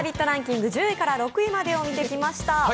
ランキング１０位から６位までを見てきました。